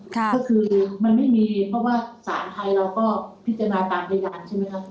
ก็คือมันไม่มีเพราะว่าสารไทยเราก็พิจารณาตามพยานใช่ไหมคะ